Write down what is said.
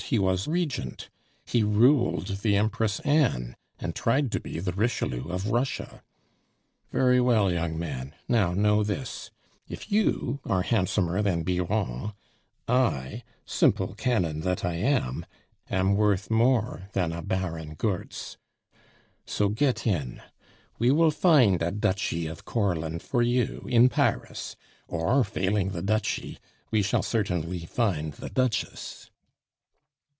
he was regent; he ruled the Empress Anne, and tried to be the Richelieu of Russia. Very well, young man; now know this if you are handsomer than Biron, I, simple canon that I am, am worth more than a Baron Goertz. So get in; we will find a duchy of Courland for you in Paris, or failing the duchy, we shall certainly find the duchess."